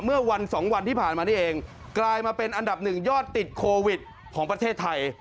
เมื่อวันสองวันที่ผ่านมานี่เองกลายมาเป็นอันดับหนึ่งยอดติดโควิดของประเทศไทย